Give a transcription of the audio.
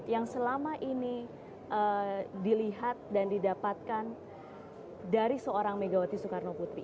yang selama ini dilihat dan didapatkan dari seorang megawati soekarno putri